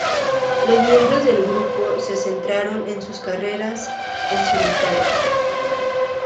Los miembros del grupo se centraron en sus carreras en solitario.